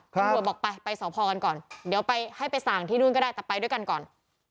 บอกไปไปสพกันก่อนเดี๋ยวไปให้ไปสั่งที่นู่นก็ได้แต่ไปด้วยกันก่อน